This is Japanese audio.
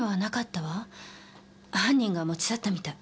犯人が持ち去ったみたい。